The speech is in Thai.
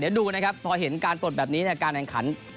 เดี๋ยวดูนะครับพอเห็นการปลดแบบนี้เนี่ยการแข่งขัน